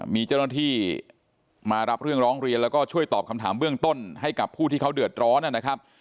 มีเจ้าหน้าที่มารับเรื่องร้องเรียนแล้วก็ช่วยตอบคำถามเบื้องต้นให้กับผู้ที่เขาเดือดร้อนนะครับ